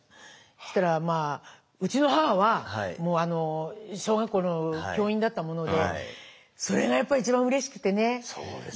そしたらうちの母は小学校の教員だったものでそれがやっぱり一番うれしくてね。